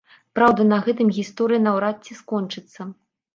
Праўда, на гэтым гісторыя наўрад ці скончыцца.